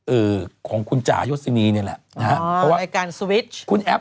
เออของุนจายศรีนีแนี่ยแหละ